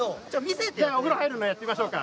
じゃあ、お風呂入るのやってみましょうか。